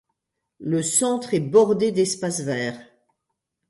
Le Centre est bordé de d’espaces verts.